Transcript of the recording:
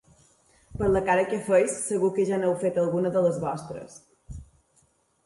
Per la cara que feu, segur que ja n'heu fet alguna de les vostres.